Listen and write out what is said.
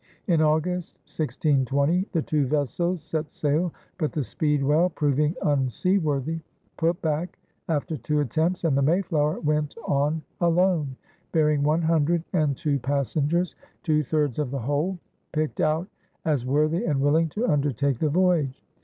In August, 1620, the two vessels set sail, but the Speedwell, proving unseaworthy, put back after two attempts, and the Mayflower went on alone, bearing one hundred and two passengers, two thirds of the whole, picked out as worthy and willing to undertake the voyage.